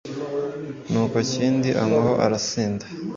Nuko Kindi anywaho arasinda,